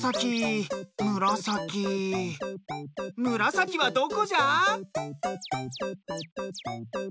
むらさきはどこじゃ？